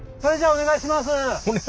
お願いします？